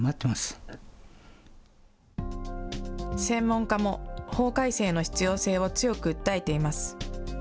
専門家も、法改正の必要性を強く訴えています。